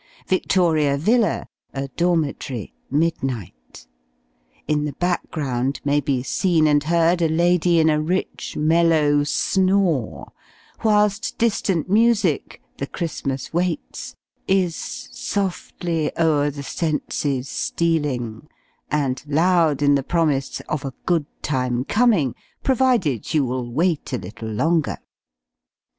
Victoria Villa a dormitory midnight; in the back ground may be seen and heard a lady in a rich mellow snore, whilst distant music the Christmas Waits, is "softly o'er the senses stealing," and loud in the promise of "a good time coming," provided you will "wait a little longer."